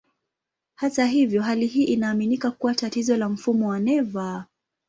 Hata hivyo, hali hii inaaminika kuwa tatizo la mfumo wa neva.